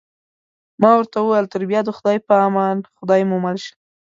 ما ورته وویل: تر بیا د خدای په امان، خدای مو مل شه.